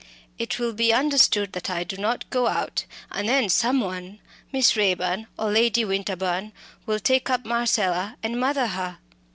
It will be understood that I do not go out, and then someone Miss Raeburn or Lady Winterbourne will take up Marcella and mother her."